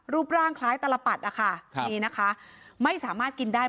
รูปร่างคล้ายตลปัดนะคะนี่นะคะไม่สามารถกินได้